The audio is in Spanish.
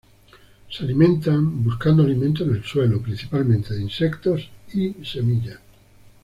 Se alimentan buscando alimento en el suelo, principalmente de insectos y semillas.